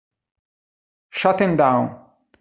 Shut 'Em Down